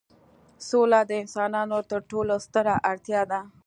سوله د انسانانو تر ټولو ستره اړتیا ده.